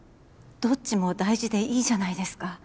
どっちも大事でいいじゃないですか。